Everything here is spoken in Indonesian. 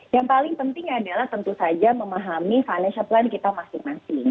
yang paling penting adalah tentu saja memahami financial plan kita masing masing